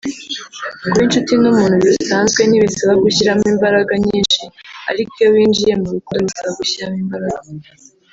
Kuba inshuti n’umuntu bisanzwe ntibisaba gushyiramo imbaraga nyinshi ariko iyo winjiye mu rukundo bisaba gushyiramo imbaraga